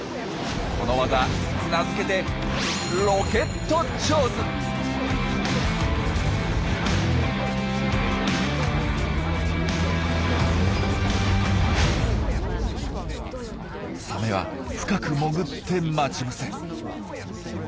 このワザ名付けてサメは深く潜って待ち伏せ。